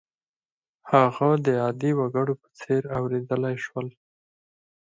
هغه د عادي وګړو په څېر اورېدلای شول.